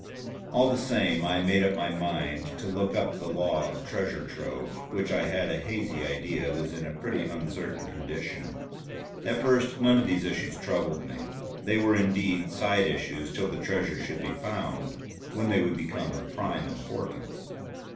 All the same I made up my mind to look up the law of Treasure Trove, which I had a hazy idea was in a pretty uncertain condition. At first none of these issues troubled me. They were indeed side issues till the treasure should be found; when they would become of prime importance.